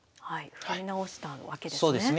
振り直したわけですね。